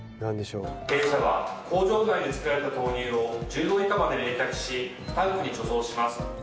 弊社は工場内で作られた豆乳を１０度以下まで冷却しタンクに貯蔵します。